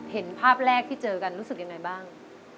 เห็นภาพแรกที่เจอกันรู้สึกยังไงบ้าง